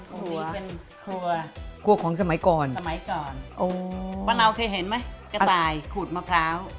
มุมนี้เป็นครัวครัวของสมัยก่อนปะนาวเคยเห็นไหมกระต่ายขูดมะพร้าว